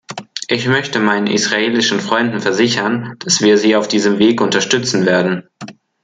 Ich möchte meinen israelischen Freunden versichern, dass wir sie auf diesem Weg unterstützen werden.